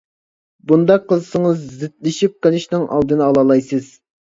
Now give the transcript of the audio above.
بۇنداق قىلسىڭىز زىتلىشىپ قېلىشنىڭ ئالدىنى ئالالايسىز.